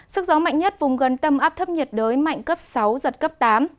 sức gió mạnh nhất vùng gần tâm áp thấp nhiệt đới mạnh cấp sáu giật cấp tám